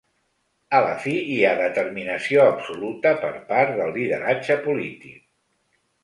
A la fi hi ha determinació absoluta per part del lideratge polític.